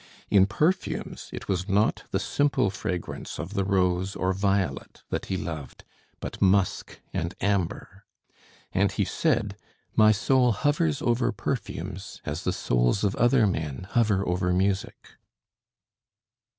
In perfumes it was not the simple fragrance of the rose or violet that he loved, but musk and amber; and he said, "my soul hovers over perfumes as the souls of other men hover over music."